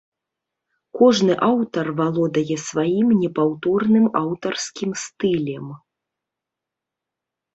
Кожны аўтар валодае сваім непаўторным аўтарскім стылем.